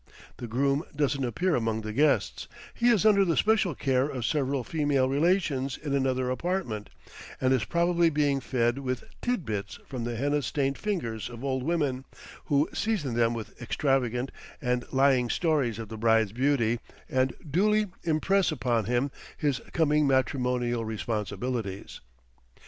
The groom doesn't appear among the guests; he is under the special care of several female relations in another apartment, and is probably being fed with tid bits from the henna stained fingers of old women, who season them with extravagant and lying stories of the bride's beauty, and duly impress upon him his coming matrimonial responsibilities.